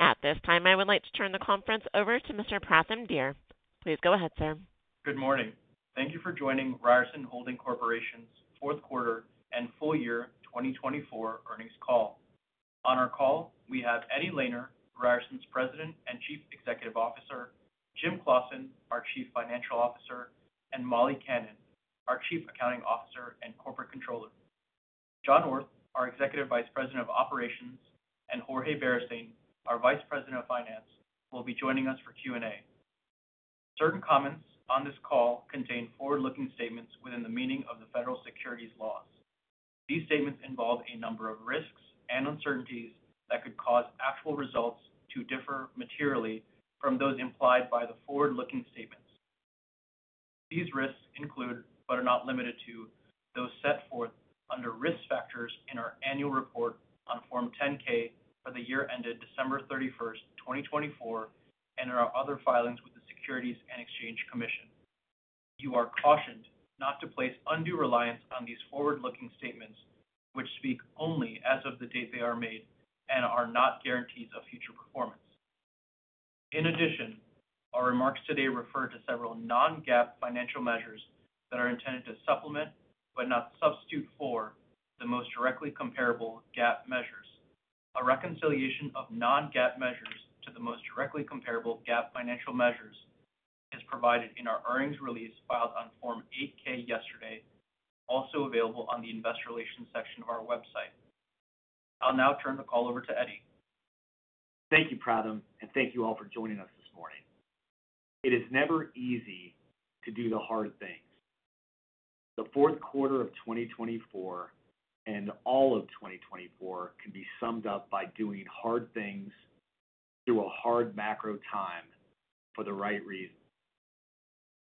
At this time, I would like to turn the conference over to Mr. Pratham Dear. Please go ahead, sir. Good morning. Thank you for joining Ryerson Holding Corporation's fourth quarter and full year 2024 earnings call. On our call, we have Eddie Lehner, Ryerson's President and Chief Executive Officer, James Claussen, our Chief Financial Officer, and Molly Kannan, our Chief Accounting Officer and Corporate Controller. John Orth, our Executive Vice President of Operations, and Jorge Beristain, our Vice President of Finance, will be joining us for Q&A. Certain comments on this call contain forward-looking statements within the meaning of the federal securities laws. These statements involve a number of risks and uncertainties that could cause actual results to differ materially from those implied by the forward-looking statements. These risks include, but are not limited to, those set forth under risk factors in our annual report on Form 10-K for the year ended December 31st, 2024, and in our other filings with the Securities and Exchange Commission. You are cautioned not to place undue reliance on these forward-looking statements, which speak only as of the date they are made and are not guarantees of future performance. In addition, our remarks today refer to several non-GAAP financial measures that are intended to supplement but not substitute for the most directly comparable GAAP measures. A reconciliation of non-GAAP measures to the most directly comparable GAAP financial measures is provided in our earnings release filed on Form 8-K yesterday, also available on the Investor Relations section of our website. I'll now turn the call over to Eddie. Thank you, Pratham, and thank you all for joining us this morning. It is never easy to do the hard things. The fourth quarter of 2024 and all of 2024 can be summed up by doing hard things through a hard macro time for the right reason.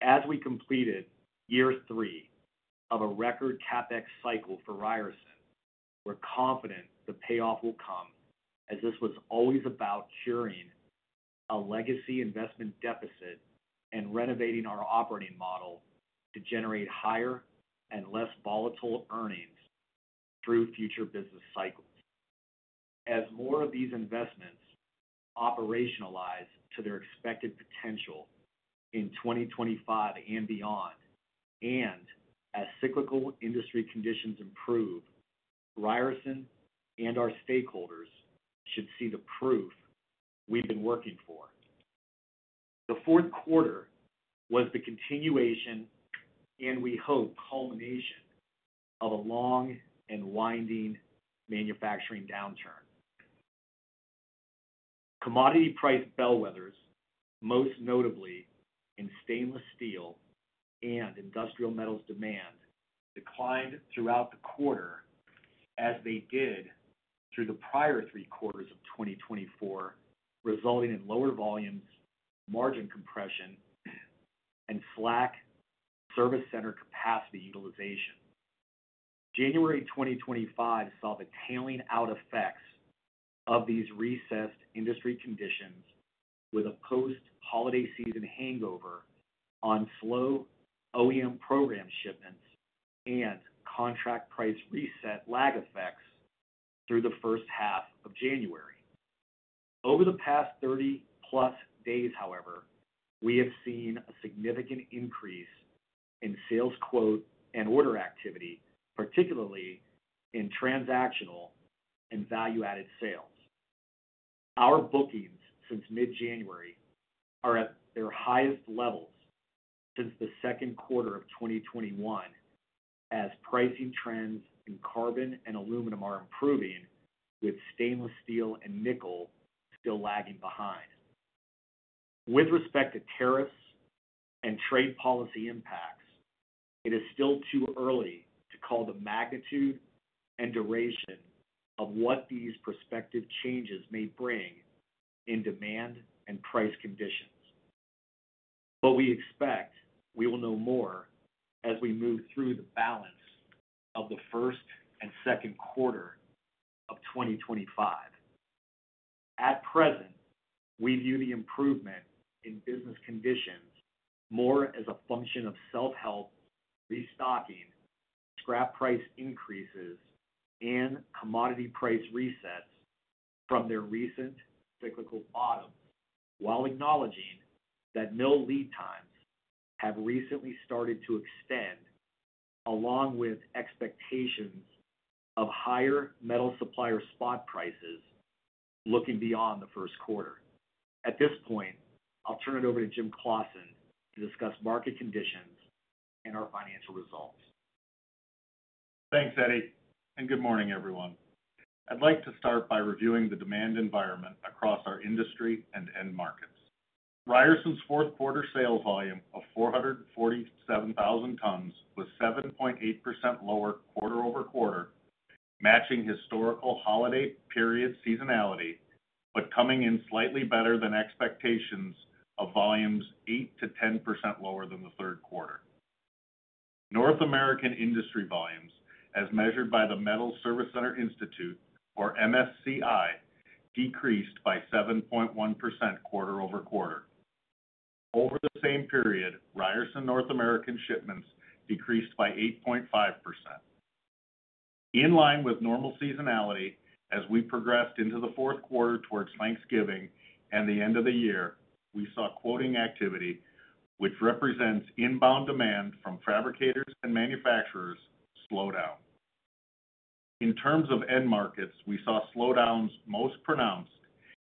As we completed year three of a record CapEx cycle for Ryerson, we're confident the payoff will come, as this was always about curing a legacy investment deficit and renovating our operating model to generate higher and less volatile earnings through future business cycles. As more of these investments operationalize to their expected potential in 2025 and beyond, and as cyclical industry conditions improve, Ryerson and our stakeholders should see the proof we've been working for. The fourth quarter was the continuation and, we hope, culmination of a long and winding manufacturing downturn. Commodity price bellwethers, most notably in stainless steel and industrial metals demand, declined throughout the quarter as they did through the prior three quarters of 2024, resulting in lower volumes, margin compression, and slack service center capacity utilization. January 2025 saw the tailing-out effects of these recessed industry conditions, with a post-holiday season hangover on slow OEM program shipments and contract price reset lag effects through the first half of January. Over the past 30-plus days, however, we have seen a significant increase in sales quote and order activity, particularly in transactional and value-added sales. Our bookings since mid-January are at their highest levels since the second quarter of 2021, as pricing trends in carbon and aluminum are improving, with stainless steel and nickel still lagging behind. With respect to tariffs and trade policy impacts, it is still too early to call the magnitude and duration of what these prospective changes may bring in demand and price conditions. But we expect we will know more as we move through the balance of the first and second quarter of 2025. At present, we view the improvement in business conditions more as a function of self-help, restocking, scrap price increases, and commodity price resets from their recent cyclical bottoms, while acknowledging that mill lead times have recently started to extend, along with expectations of higher metal supplier spot prices looking beyond the first quarter. At this point, I'll turn it over to James Claussen to discuss market conditions and our financial results. Thanks, Eddie, and good morning, everyone. I'd like to start by reviewing the demand environment across our industry and end markets. Ryerson's fourth quarter sales volume of 447,000 tons was 7.8% lower quarter-over-quarter, matching historical holiday period seasonality, but coming in slightly better than expectations of volumes 8%-10% lower than the third quarter. North American industry volumes, as measured by the Metal Service Center Institute, or MSCI, decreased by 7.1% quarter-over-quarter. Over the same period, Ryerson North American shipments decreased by 8.5%. In line with normal seasonality, as we progressed into the fourth quarter towards Thanksgiving and the end of the year, we saw quoting activity, which represents inbound demand from fabricators and manufacturers, slow down. In terms of end markets, we saw slowdowns most pronounced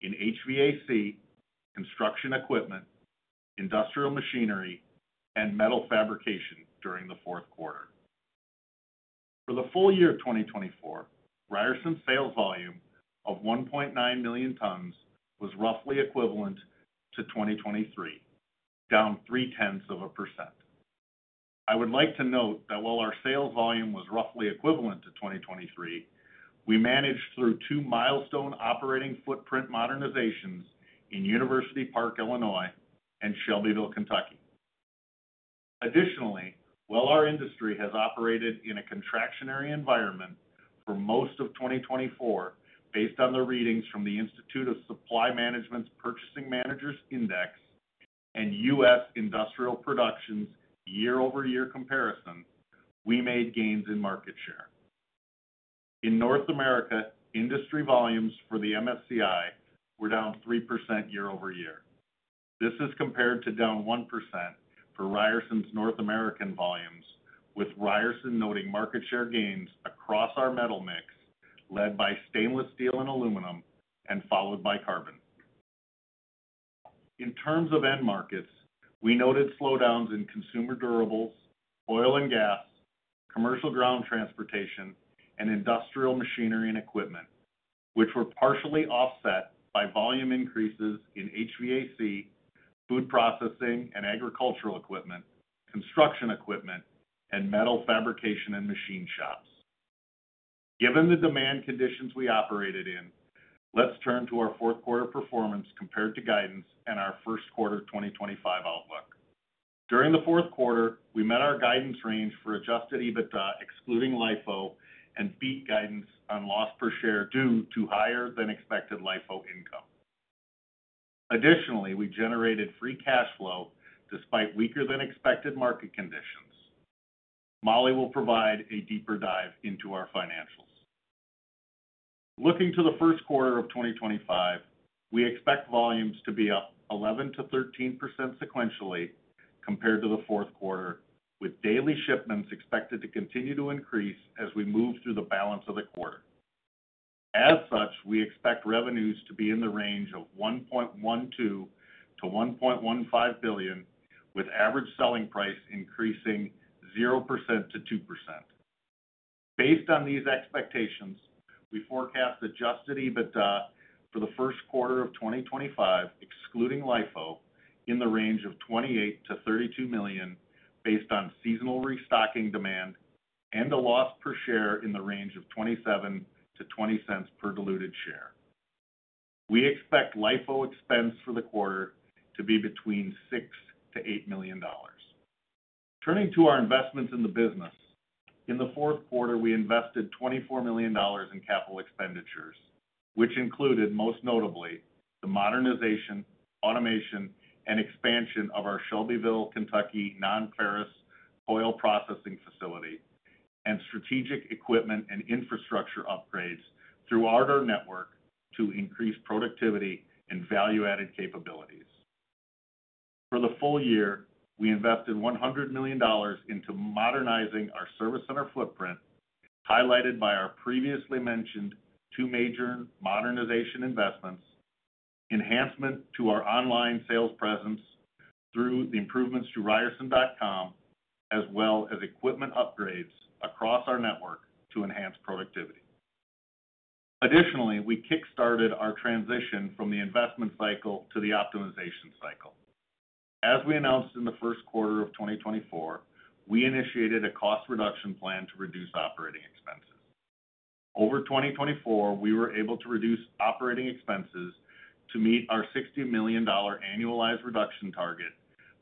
in HVAC, construction equipment, industrial machinery, and metal fabrication during the fourth quarter. For the full year 2024, Ryerson's sales volume of 1.9 million tons was roughly equivalent to 2023, down 0.3%. I would like to note that while our sales volume was roughly equivalent to 2023, we managed through two milestone operating footprint modernizations in University Park, Illinois, and Shelbyville, Kentucky. Additionally, while our industry has operated in a contractionary environment for most of 2024, based on the readings from the Institute for Supply Management's Purchasing Managers Index and U.S. Industrial Production year-over-year comparison, we made gains in market share. In North America, industry volumes for the MSCI were down 3% year-over-year. This is compared to down 1% for Ryerson's North American volumes, with Ryerson noting market share gains across our metal mix, led by stainless steel and aluminum, and followed by carbon. In terms of end markets, we noted slowdowns in consumer durables, oil and gas, commercial ground transportation, and industrial machinery and equipment, which were partially offset by volume increases in HVAC, food processing and agricultural equipment, construction equipment, and metal fabrication and machine shops. Given the demand conditions we operated in, let's turn to our fourth quarter performance compared to guidance and our first quarter 2025 outlook. During the fourth quarter, we met our guidance range for adjusted EBITDA, excluding LIFO, and beat guidance on loss per share due to higher-than-expected LIFO income. Additionally, we generated free cash flow despite weaker-than-expected market conditions. Molly will provide a deeper dive into our financials. Looking to the first quarter of 2025, we expect volumes to be up 11%-13% sequentially compared to the fourth quarter, with daily shipments expected to continue to increase as we move through the balance of the quarter. As such, we expect revenues to be in the range of $1.12 billion-$1.15 billion, with average selling price increasing 0%-2%. Based on these expectations, we forecast adjusted EBITDA for the first quarter of 2025, excluding LIFO, in the range of $28 million-$32 million, based on seasonal restocking demand and a loss per share in the range of $0.27-$0.20 per diluted share. We expect LIFO expense for the quarter to be between $6 million-$8 million. Turning to our investments in the business, in the fourth quarter, we invested $24 million in capital expenditures, which included most notably the modernization, automation, and expansion of our Shelbyville, Kentucky non-ferrous processing facility and strategic equipment and infrastructure upgrades through our network to increase productivity and value-added capabilities. For the full year, we invested $100 million into modernizing our service center footprint, highlighted by our previously mentioned two major modernization investments, enhancement to our online sales presence through the improvements to Ryerson.com, as well as equipment upgrades across our network to enhance productivity. Additionally, we kickstarted our transition from the investment cycle to the optimization cycle. As we announced in the first quarter of 2024, we initiated a cost reduction plan to reduce operating expenses. Over 2024, we were able to reduce operating expenses to meet our $60 million annualized reduction target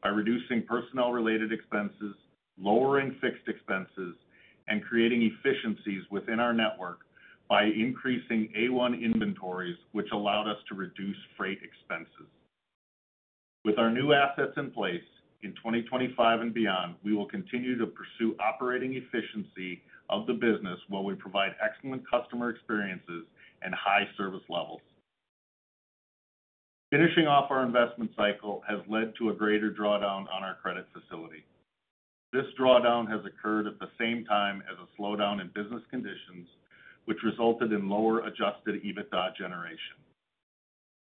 by reducing personnel-related expenses, lowering fixed expenses, and creating efficiencies within our network by increasing A1 inventories, which allowed us to reduce freight expenses. With our new assets in place in 2025 and beyond, we will continue to pursue operating efficiency of the business while we provide excellent customer experiences and high service levels. Finishing off our investment cycle has led to a greater drawdown on our credit facility. This drawdown has occurred at the same time as a slowdown in business conditions, which resulted in lower Adjusted EBITDA generation.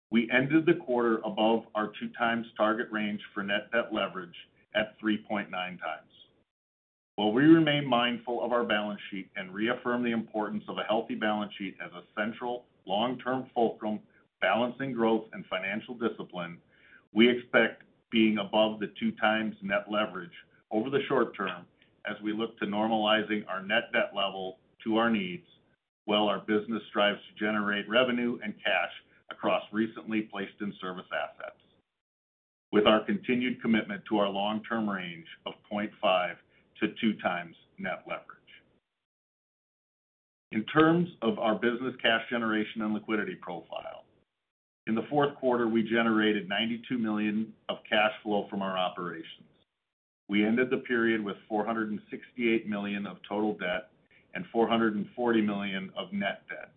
We ended the quarter above our 2x target range for net debt leverage at 3.9x. While we remain mindful of our balance sheet and reaffirm the importance of a healthy balance sheet as a central long-term fulcrum balancing growth and financial discipline, we expect being above the two-times net leverage over the short term as we look to normalizing our net debt level to our needs while our business strives to generate revenue and cash across recently placed in service assets, with our continued commitment to our long-term range of 0.5 to 2x net leverage. In terms of our business cash generation and liquidity profile, in the fourth quarter, we generated $92 million of cash flow from our operations. We ended the period with $468 million of total debt and $440 million of net debt,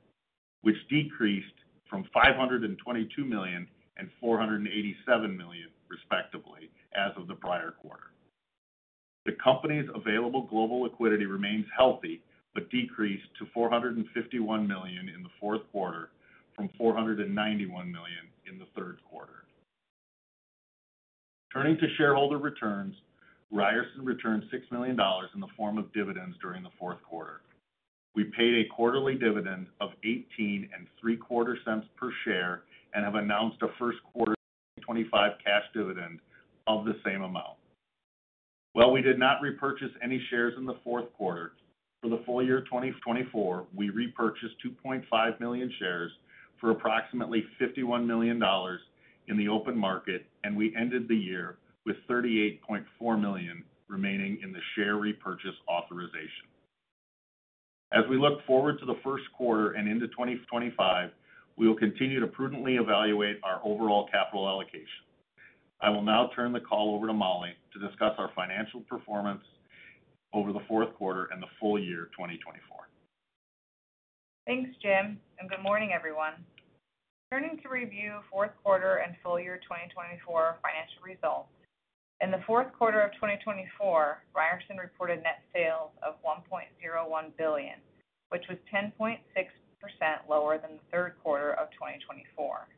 which decreased from $522 million and $487 million, respectively, as of the prior quarter. The company's available global liquidity remains healthy but decreased to $451 million in the fourth quarter from $491 million in the third quarter. Turning to shareholder returns, Ryerson returned $6 million in the form of dividends during the fourth quarter. We paid a quarterly dividend of $18.75 per share and have announced a first quarter 2025 cash dividend of the same amount. While we did not repurchase any shares in the fourth quarter, for the full year 2024, we repurchased 2.5 million shares for approximately $51 million in the open market, and we ended the year with $38.4 million remaining in the share repurchase authorization. As we look forward to the first quarter and into 2025, we will continue to prudently evaluate our overall capital allocation. I will now turn the call over to Molly to discuss our financial performance over the fourth quarter and the full year 2024. Thanks, James, and good morning, everyone. Turning to review fourth quarter and full year 2024 financial results. In the fourth quarter of 2024, Ryerson reported net sales of $1.01 billion, which was 10.6% lower than the third quarter of 2024.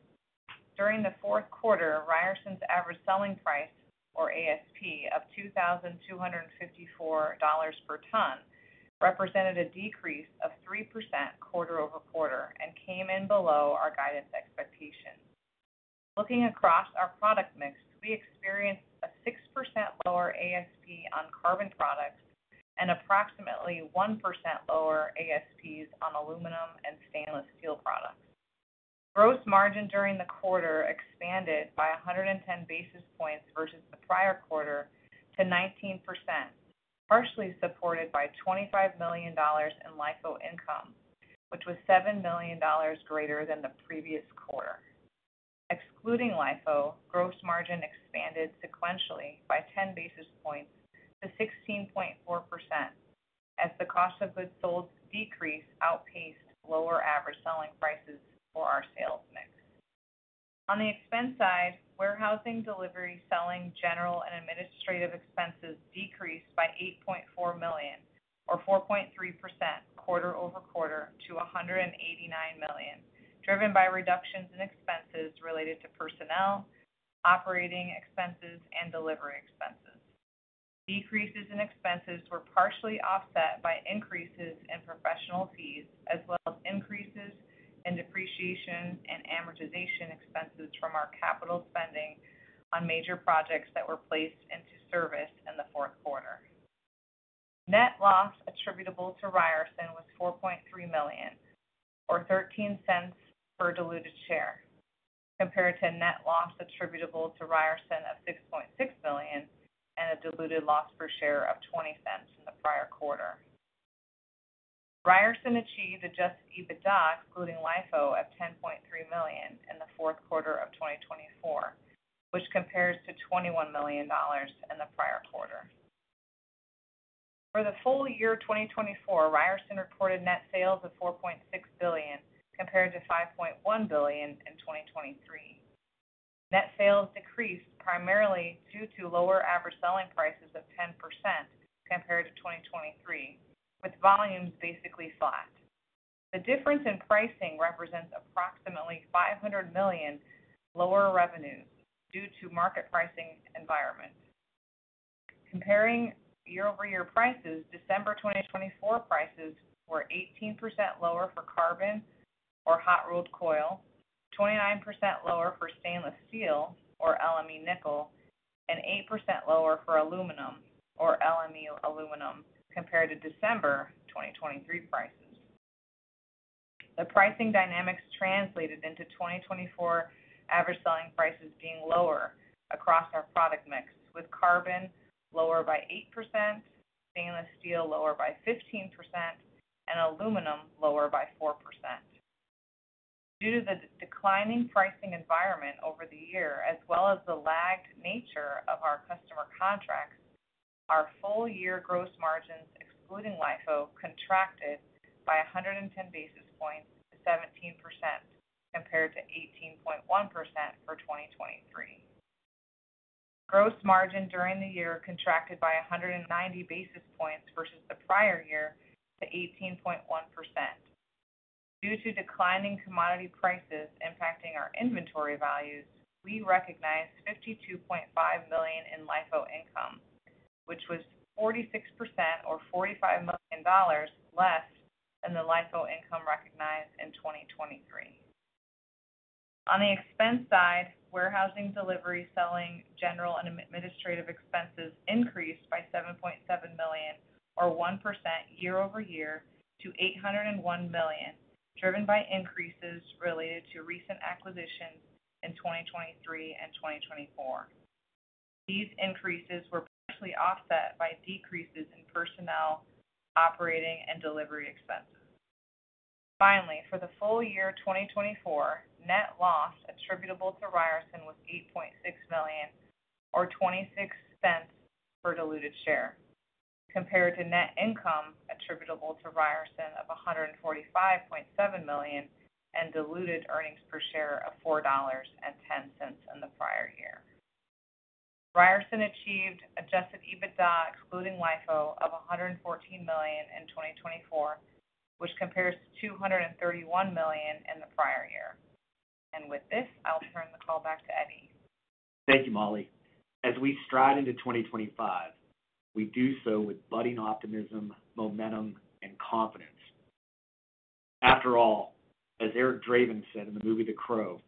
During the fourth quarter, Ryerson's average selling price, or ASP, of $2,254 per ton represented a decrease of 3% quarter-over-quarter and came in below our guidance expectations. Looking across our product mix, we experienced a 6% lower ASP on carbon products and approximately 1% lower ASPs on aluminum and stainless steel products. Gross margin during the quarter expanded by 110 basis points versus the prior quarter to 19%, partially supported by $25 million in LIFO income, which was $7 million greater than the previous quarter. Excluding LIFO, gross margin expanded sequentially by 10 basis points to 16.4%, as the cost of goods sold decreased outpaced lower average selling prices for our sales mix. On the expense side, warehousing, delivery, selling, general, and administrative expenses decreased by $8.4 million, or 4.3% quarter-over-quarter, to $189 million, driven by reductions in expenses related to personnel, operating expenses, and delivery expenses. Decreases in expenses were partially offset by increases in professional fees, as well as increases in depreciation and amortization expenses from our capital spending on major projects that were placed into service in the fourth quarter. Net loss attributable to Ryerson was $4.3 million, or $0.13 per diluted share, compared to net loss attributable to Ryerson of $6.6 million and a diluted loss per share of $0.20 in the prior quarter. Ryerson achieved adjusted EBITDA, excluding LIFO, of $10.3 million in the fourth quarter of 2024, which compares to $21 million in the prior quarter. For the full year 2024, Ryerson reported net sales of $4.6 billion, compared to $5.1 billion in 2023. Net sales decreased primarily due to lower average selling prices of 10% compared to 2023, with volumes basically flat. The difference in pricing represents approximately $500 million lower revenues due to market pricing environment. Comparing year-over-year prices, December 2024 prices were 18% lower for carbon, or hot-rolled coil, 29% lower for stainless steel, or LME nickel, and 8% lower for aluminum, or LME aluminum, compared to December 2023 prices. The pricing dynamics translated into 2024 average selling prices being lower across our product mix, with carbon lower by 8%, stainless steel lower by 15%, and aluminum lower by 4%. Due to the declining pricing environment over the year, as well as the lagged nature of our customer contracts, our full year gross margins, excluding LIFO, contracted by 110 basis points to 17%, compared to 18.1% for 2023. Gross margin during the year contracted by 190 basis points versus the prior year to 18.1%. Due to declining commodity prices impacting our inventory values, we recognized $52.5 million in LIFO income, which was 46%, or $45 million less than the LIFO income recognized in 2023. On the expense side, warehousing, delivery, selling, general, and administrative expenses increased by $7.7 million, or 1% year-over-year, to $801 million, driven by increases related to recent acquisitions in 2023 and 2024. These increases were partially offset by decreases in personnel, operating, and delivery expenses. Finally, for the full year 2024, net loss attributable to Ryerson was $8.6 million, or $0.26 per diluted share, compared to net income attributable to Ryerson of $145.7 million and diluted earnings per share of $4.10 in the prior year. Ryerson achieved Adjusted EBITDA, excluding LIFO, of $114 million in 2024, which compares to $231 million in the prior year. With this, I'll turn the call back to Eddie. Thank you, Molly. As we stride into 2025, we do so with budding optimism, momentum, and confidence. After all, as Eric Draven said in the movie The Crow,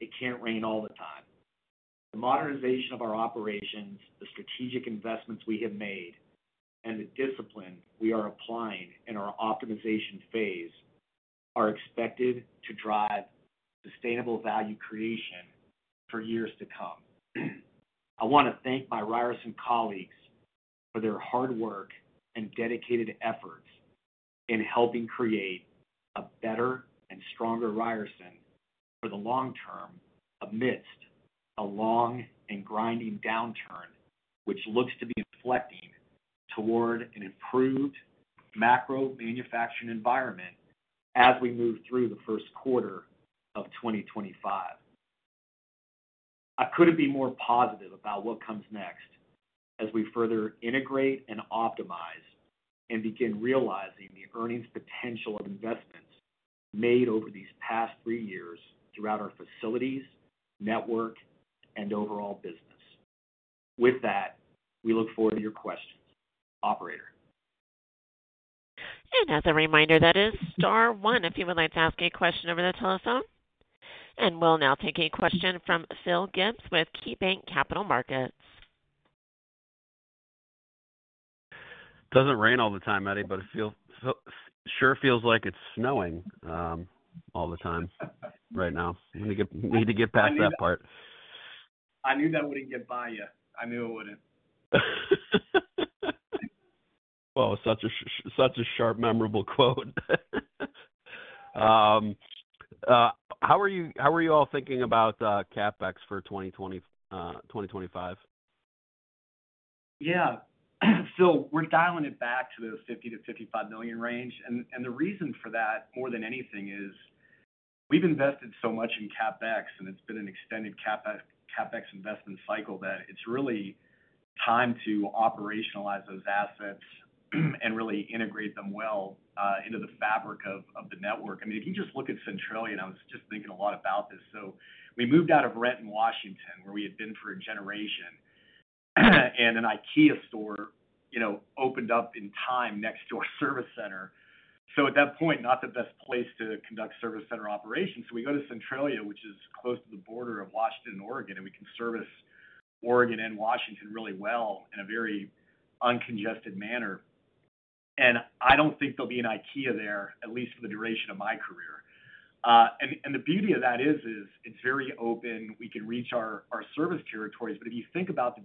it can't rain all the time. The modernization of our operations, the strategic investments we have made, and the discipline we are applying in our optimization phase are expected to drive sustainable value creation for years to come. I want to thank my Ryerson colleagues for their hard work and dedicated efforts in helping create a better and stronger Ryerson for the long term amidst a long and grinding downturn, which looks to be reflecting toward an improved macro manufacturing environment as we move through the first quarter of 2025. I couldn't be more positive about what comes next as we further integrate and optimize and begin realizing the earnings potential of investments made over these past three years throughout our facilities, network, and overall business. With that, we look forward to your questions, Operator. As a reminder, that is star one, if you would like to ask a question over the telephone. We'll now take a question from Philip Gibbs with KeyBanc Capital Markets. Doesn't rain all the time, Eddie, but it sure feels like it's snowing all the time right now. We need to get past that part. I knew that wouldn't get by you. I knew it wouldn't. Such a sharp, memorable quote. How are you all thinking about CapEx for 2025? Yeah. So we're dialing it back to the $50-$55 million range. And the reason for that, more than anything, is we've invested so much in CapEx, and it's been an extended CapEx investment cycle that it's really time to operationalize those assets and really integrate them well into the fabric of the network. I mean, if you just look at Centralia, I was just thinking a lot about this. So we moved out of Renton, Washington, where we had been for a generation, and an IKEA store opened up in time next to our service center. So at that point, not the best place to conduct service center operations. So we go to Centralia, which is close to the border of Washington and Oregon, and we can service Oregon and Washington really well in a very uncongested manner. And I don't think there'll be an IKEA there, at least for the duration of my career. And the beauty of that is it's very open. We can reach our service territories. But if you think about the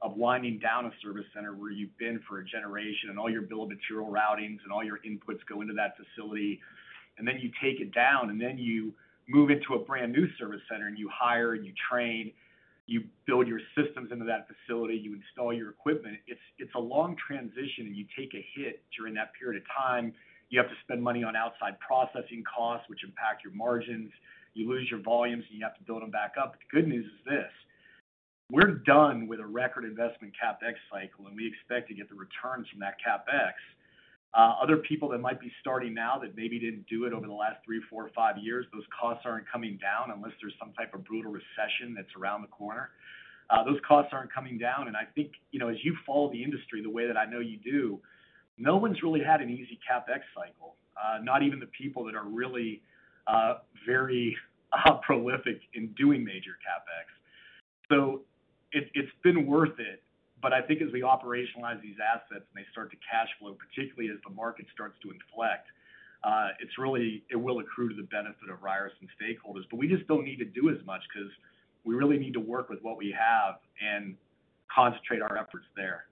disruption of winding down a service center where you've been for a generation and all your bill of material routings and all your inputs go into that facility, and then you take it down, and then you move into a brand new service center, and you hire and you train, you build your systems into that facility, you install your equipment, it's a long transition, and you take a hit during that period of time. You have to spend money on outside processing costs, which impact your margins. You lose your volumes, and you have to build them back up. The good news is this: we're done with a record investment CapEx cycle, and we expect to get the returns from that CapEx. Other people that might be starting now that maybe didn't do it over the last three, four, or five years, those costs aren't coming down unless there's some type of brutal recession that's around the corner. Those costs aren't coming down. And I think as you follow the industry the way that I know you do, no one's really had an easy CapEx cycle, not even the people that are really very prolific in doing major CapEx. So it's been worth it. But I think as we operationalize these assets and they start to cash flow, particularly as the market starts to inflect, it will accrue to the benefit of Ryerson stakeholders. but we just don't need to do as much because we really need to work with what we have and concentrate our efforts there.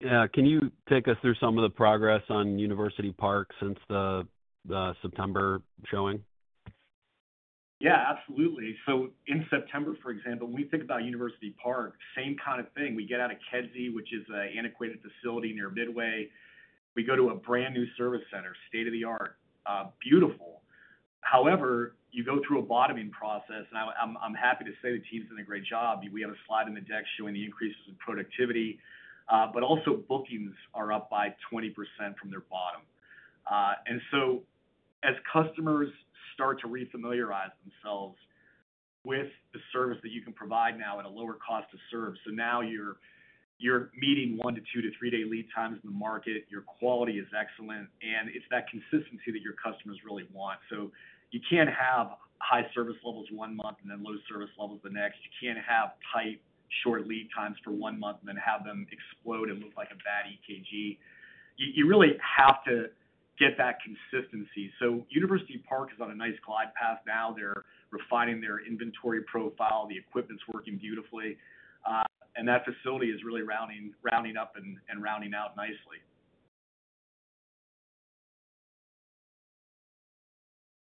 Yeah. Can you take us through some of the progress on University Park since the September showing? Yeah, absolutely, so in September, for example, when we think about University Park, same kind of thing. We get out of Kedzie, which is an antiquated facility near Midway. We go to a brand new service center, state-of-the-art, beautiful. However, you go through a bottoming process, and I'm happy to say the team's done a great job. We have a slide in the deck showing the increases in productivity, but also bookings are up by 20% from their bottom, and so as customers start to refamiliarize themselves with the service that you can provide now at a lower cost to serve, so now you're meeting one to two to three-day lead times in the market, your quality is excellent, and it's that consistency that your customers really want, so you can't have high service levels one month and then low service levels the next. You can't have tight, short lead times for one month and then have them explode and look like a bad EKG. You really have to get that consistency. So University Park is on a nice glide path now. They're refining their inventory profile. The equipment's working beautifully, and that facility is really rounding up and rounding out nicely.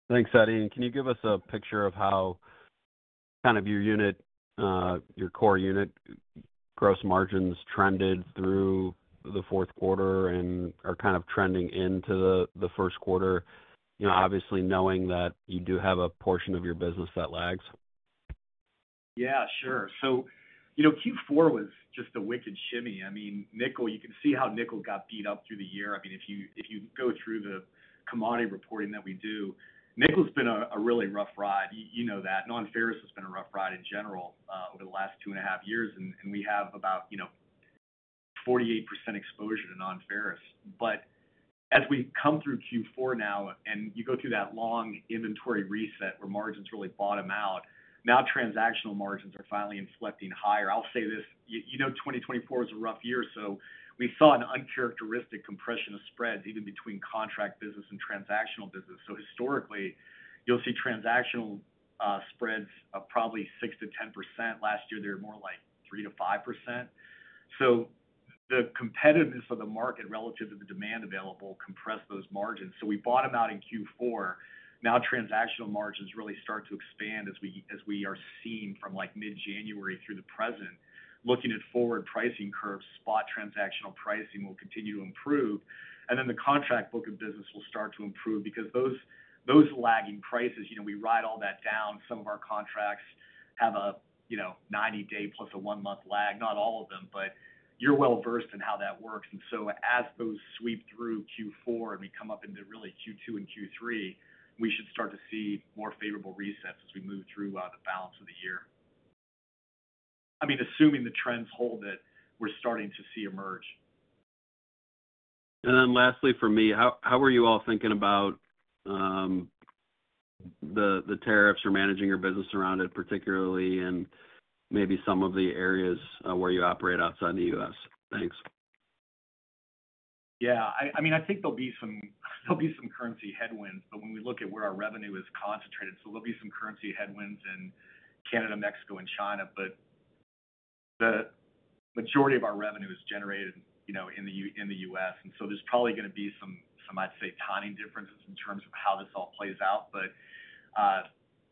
Thanks, Eddie. And can you give us a picture of how kind of your unit, your core unit, gross margins trended through the fourth quarter and are kind of trending into the first quarter, obviously knowing that you do have a portion of your business that lags? Yeah, sure. So Q4 was just a wicked shimmy. I mean, you can see how nickel got beat up through the year. I mean, if you go through the commodity reporting that we do, nickel's been a really rough ride. You know that. Non-ferrous has been a rough ride in general over the last two and a half years, and we have about 48% exposure to non-ferrous. But as we come through Q4 now and you go through that long inventory reset where margins really bottom out, now transactional margins are finally inflecting higher. I'll say this: you know 2024 was a rough year, so we saw an uncharacteristic compression of spreads even between contract business and transactional business. So historically, you'll see transactional spreads of probably 6%-10%. Last year, they were more like 3%-5%. So the competitiveness of the market relative to the demand available compressed those margins. So we bought them out in Q4. Now transactional margins really start to expand as we are seeing from mid-January through the present. Looking at forward pricing curves, spot transactional pricing will continue to improve. And then the contract book of business will start to improve because those lagging prices, we ride all that down. Some of our contracts have a 90-day plus a one-month lag, not all of them, but you're well versed in how that works. And so as those sweep through Q4 and we come up into really Q2 and Q3, we should start to see more favorable resets as we move through the balance of the year. I mean, assuming the trends hold that we're starting to see emerge. Lastly, for me, how are you all thinking about the tariffs or managing your business around it, particularly in maybe some of the areas where you operate outside the U.S.? Thanks. Yeah. I mean, I think there'll be some currency headwinds, but when we look at where our revenue is concentrated, so there'll be some currency headwinds in Canada, Mexico, and China. But the majority of our revenue is generated in the U.S. And so there's probably going to be some, I'd say, tiny differences in terms of how this all plays out. But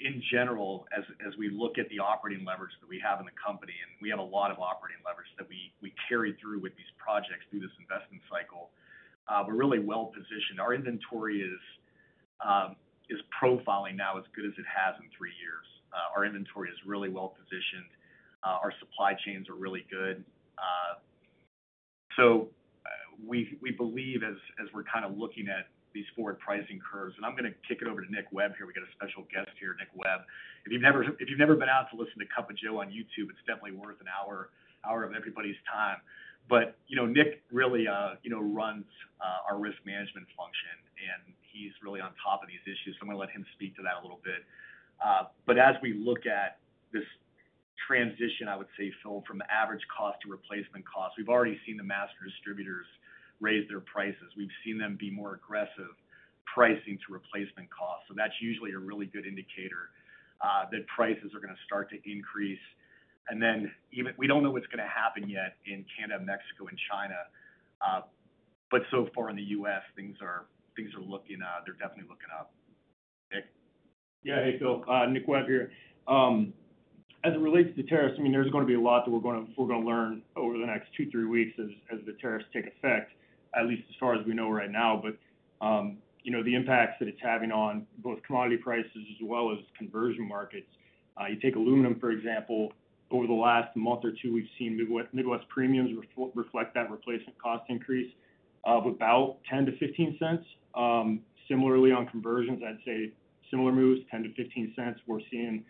in general, as we look at the operating leverage that we have in the company, and we have a lot of operating leverage that we carry through with these projects through this investment cycle, we're really well positioned. Our inventory is profiling now as good as it has in three years. Our inventory is really well positioned. Our supply chains are really good. So we believe, as we're kind of looking at these forward pricing curves, and I'm going to kick it over to Nick Webb here. We got a special guest here, Nick Webb. If you've never been out to listen to Cup of Joe on YouTube, it's definitely worth an hour of everybody's time. But Nick really runs our risk management function, and he's really on top of these issues. So I'm going to let him speak to that a little bit. But as we look at this transition, I would say, Phil, from average cost to replacement cost, we've already seen the master distributors raise their prices. We've seen them be more aggressive pricing to replacement costs. So that's usually a really good indicator that prices are going to start to increase. And then we don't know what's going to happen yet in Canada, Mexico, and China. But so far in the U.S., things are looking up. They're definitely looking up. Nick? Yeah. Hey, Phil. Nick Webb here. As it relates to tariffs, I mean, there's going to be a lot that we're going to learn over the next two, three weeks as the tariffs take effect, at least as far as we know right now. But the impacts that it's having on both commodity prices as well as conversion markets, you take aluminum, for example, over the last month or two, we've seen Midwest premiums reflect that replacement cost increase of about $0.10-$0.15. Similarly, on conversions, I'd say similar moves, $0.10-$0.15. We're seeing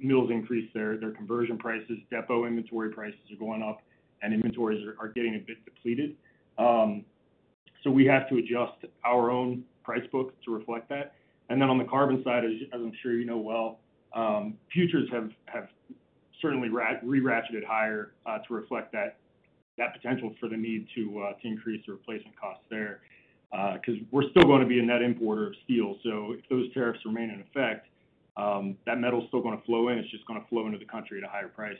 mills increase their conversion prices. Depot inventory prices are going up, and inventories are getting a bit depleted. So we have to adjust our own price book to reflect that. Then on the carbon side, as I'm sure you know well, futures have certainly re-ratcheted higher to reflect that potential for the need to increase the replacement costs there because we're still going to be a net importer of steel. So if those tariffs remain in effect, that metal's still going to flow in. It's just going to flow into the country at a higher price.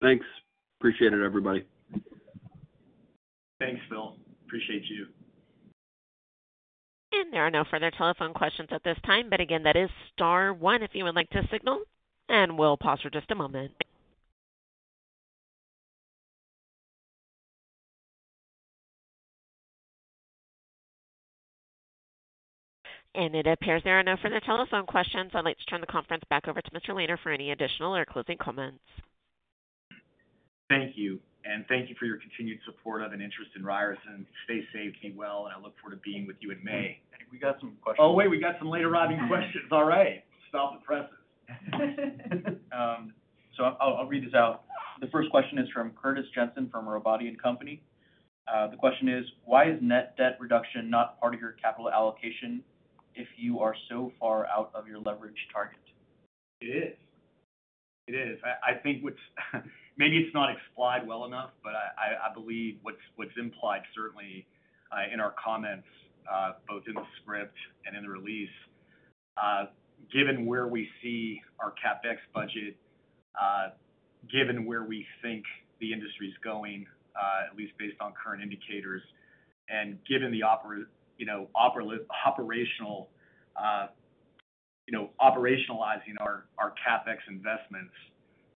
Thanks. Appreciate it, everybody. Thanks, Phil. Appreciate you. There are no further telephone questions at this time. Again, that is star one if you would like to signal, and we'll pause for just a moment. It appears there are no further telephone questions. I'd like to turn the conference back over to Mr. Lehner for any additional or closing comments. Thank you, and thank you for your continued support of and interest in Ryerson. They saved me well, and I look forward to being with you in May. We got some questions. Oh, wait. We got some late-arriving questions. All right. Stop the presses. So I'll read this out. The first question is from Curtis Jensen from Robotti & Company. The question is, "Why is net debt reduction not part of your capital allocation if you are so far out of your leverage target? It is. It is. I think maybe it's not explained well enough, but I believe what's implied certainly in our comments, both in the script and in the release, given where we see our CapEx budget, given where we think the industry's going, at least based on current indicators, and given the operationalizing our CapEx investments,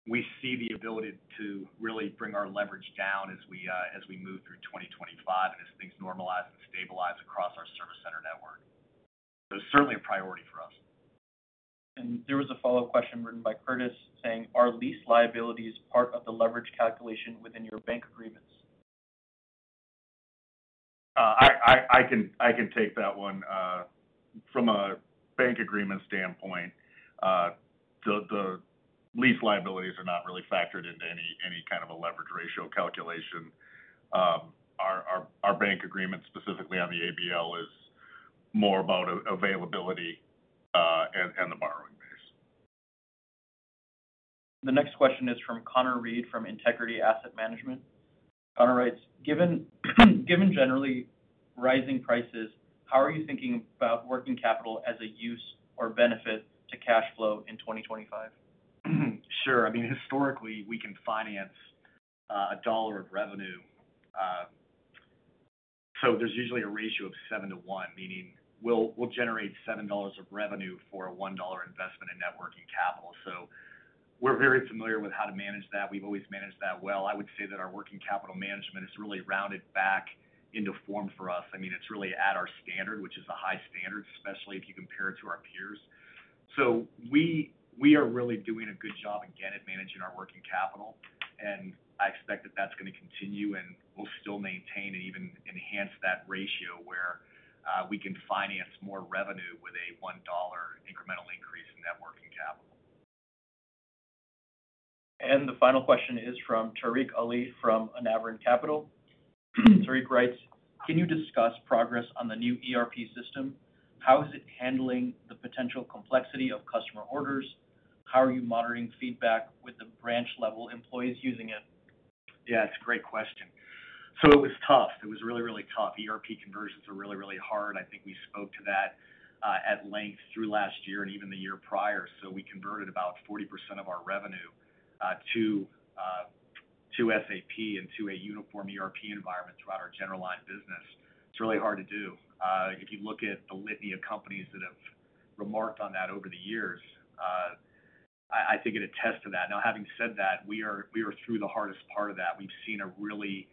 we see the ability to really bring our leverage down as we move through 2025 and as things normalize and stabilize across our service center network, so certainly a priority for us. There was a follow-up question written by Curtis saying, "Are lease liabilities part of the leverage calculation within your bank agreements? I can take that one. From a bank agreement standpoint, the lease liabilities are not really factored into any kind of a leverage ratio calculation. Our bank agreement, specifically on the ABL, is more about availability and the borrowing base. The next question is from Konner Reed from Integrity Asset Management. Konner writes, "Given generally rising prices, how are you thinking about working capital as a use or benefit to cash flow in 2025? Sure. I mean, historically, we can finance a dollar of revenue. So there's usually a ratio of seven to one, meaning we'll generate $7 of revenue for a $1 investment in net working capital. So we're very familiar with how to manage that. We've always managed that well. I would say that our working capital management is really rounded back into form for us. I mean, it's really at our standard, which is a high standard, especially if you compare it to our peers. So we are really doing a good job again at managing our working capital. And I expect that that's going to continue and we'll still maintain and even enhance that ratio where we can finance more revenue with a $1 incremental increase in net working capital. The final question is from Tariq Ali from Anavrin Capital. Tariq writes, "Can you discuss progress on the new ERP system? How is it handling the potential complexity of customer orders? How are you monitoring feedback with the branch-level employees using it? Yeah, it's a great question. So it was tough. It was really, really tough. ERP conversions are really, really hard. I think we spoke to that at length through last year and even the year prior. So we converted about 40% of our revenue to SAP and to a uniform ERP environment throughout our general line business. It's really hard to do. If you look at the litany of companies that have remarked on that over the years, I think it attests to that. Now, having said that, we are through the hardest part of that. We've seen a really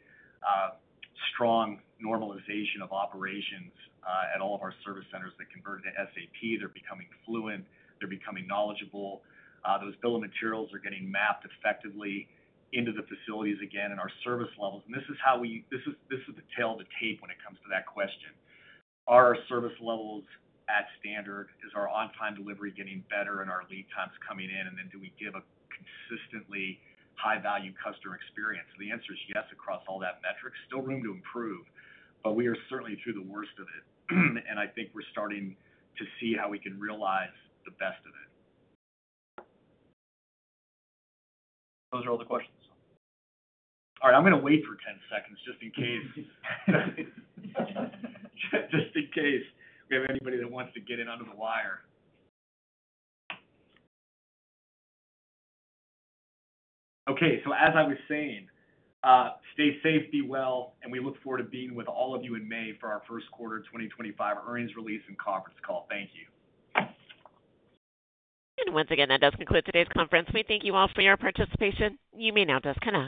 strong normalization of operations at all of our service centers that converted to SAP. They're becoming fluent. They're becoming knowledgeable. Those bill of materials are getting mapped effectively into the facilities again and our service levels. This is the tail of the tape when it comes to that question. Are our service levels at standard? Is our on-time delivery getting better and our lead times coming in? And then do we give a consistently high-value customer experience? The answer is yes across all that metric. Still room to improve, but we are certainly through the worst of it. And I think we're starting to see how we can realize the best of it. Those are all the questions. All right. I'm going to wait for 10 seconds just in case we have anybody that wants to get in under the wire. Okay. So as I was saying, stay safe, be well, and we look forward to being with all of you in May for our first quarter 2025 earnings release and conference call. Thank you. And once again, that does conclude today's conference. We thank you all for your participation. You may now disconnect.